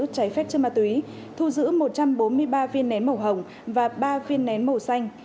trái phép chân ma túy thu giữ một trăm bốn mươi ba viên nén màu hồng và ba viên nén màu xanh